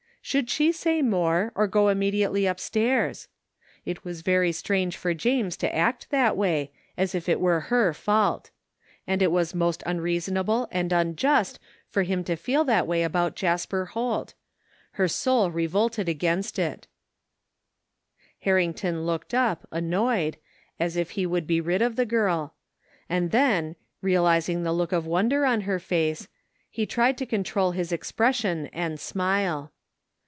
Should she say more or go immediately upstairs ? It was very strange for James to act that way, as if it were her fault And it was most tmreasonable and unjust for him to feel that way about Jasper Holt. Her soul revolted against it Harrington looked up, annoyed, as if he would be rid of the girl; and then, realizing the look of wonder on her face, he tried to control his expression and smile.